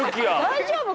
大丈夫？